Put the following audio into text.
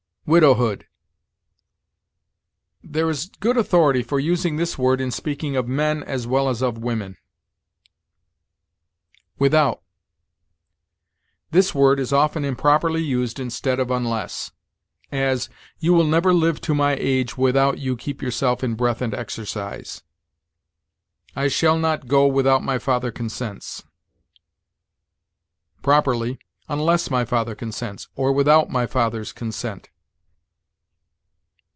WIDOWHOOD. There is good authority for using this word in speaking of men as well as of women. WITHOUT. This word is often improperly used instead of unless; as, "You will never live to my age without you keep yourself in breath and exercise"; "I shall not go without my father consents": properly, unless my father consents, or, without my father's consent.